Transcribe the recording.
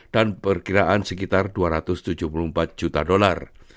dan berkiraan sekitar dua ratus tujuh puluh empat juta dolar